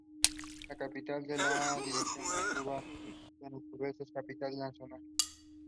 Depending on the overall completion one out of two endings can be unlocked.